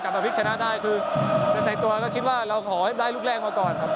แบบพลิกชนะได้คือในตัวก็คิดว่าเราขอให้ได้ลูกแรกมาก่อนครับ